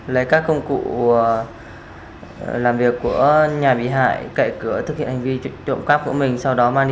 lấy các công cụ làm việc của nhà bị hại cậy cửa thực hiện hành vi trộm cấp của mình